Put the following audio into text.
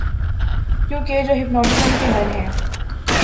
کیونکہ جو ہپناٹزم کے ہر ہیں